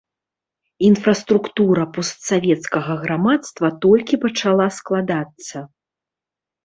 Інфраструктура постсавецкага грамадства толькі пачала складацца.